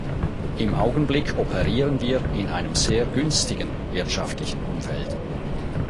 Im Augenblick operieren wir in einem sehr günstigen wirtschaftlichen Umfeld.